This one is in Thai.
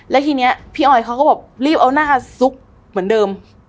แล้วทีนี้พี่ออยเขาก็แบบรีบเอาหน้าซุกเหมือนเดิม